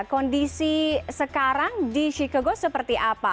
kondisi sekarang di chicago seperti apa